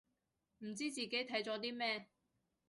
唔知自己睇咗啲咩